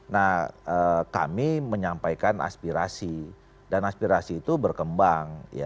nah kami menyampaikan aspirasi dan aspirasi itu berkembang